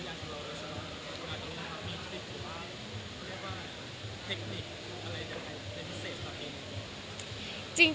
ฯติดตรีหรือว่าเทคนิคอะไรอย่างมีในพิเศษกัน